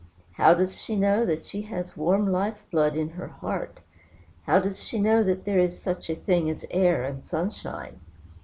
How does she know that she has warm life blood in her heart? How does she know that there is such a thing as air and sunshine?